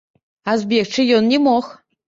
А збегчы ён не мог.